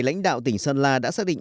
lãnh đạo tỉnh sơn la đã xác định